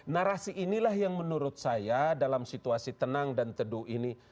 narasi inilah yang menurut saya dalam situasi tenang dan teduh ini